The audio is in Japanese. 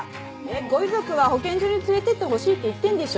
ご遺族は保健所に連れてってほしいって言ってるんでしょ？